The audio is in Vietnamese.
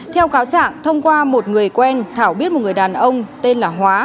theo cáo trạng thông qua một người quen thảo biết một người đàn ông tên là hóa